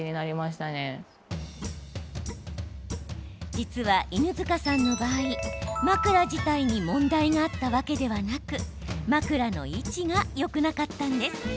実は、犬塚さんの場合枕自体に問題があったわけではなく枕の位置がよくなかったんです。